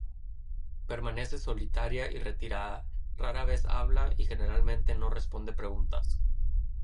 Permanece solitaria y retirada, rara vez habla y generalmente no responde preguntas.